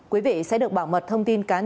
quý vị sẽ được bảo mật thông tin cá nhân